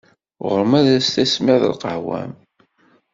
Ɣur-m ad tismiḍ lqahwa-m!